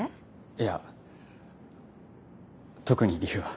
いや特に理由は。